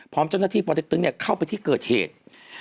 พร้อมเจ้าหน้าที่ปเต็กตึงเข้าไปที่เกิดเหตุ